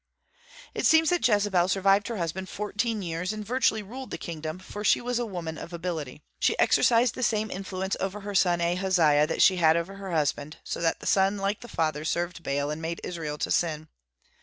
It seems that Jezebel survived her husband fourteen years, and virtually ruled the kingdom, for she was a woman of ability. She exercised the same influence over her son Ahaziah that she had over her husband, so that the son like the father served Baal and made Israel to sin.